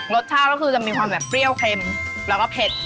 รสชาติก็คือจะมีความแบบเปรี้ยวเค็มแล้วก็เผ็ด